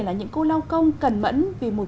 là những cô lao công cần mẫn vì một